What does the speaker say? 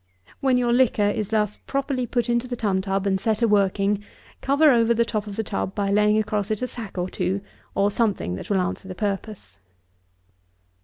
When your liquor is thus properly put into the tun tub and set a working, cover over the top of the tub by laying across it a sack or two, or something that will answer the purpose.